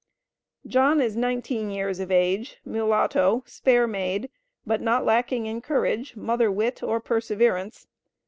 John is nineteen years of age, mulatto, spare made, but not lacking in courage, mother wit or perseverance.